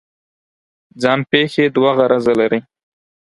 ځان پېښې دوه غرضه لري.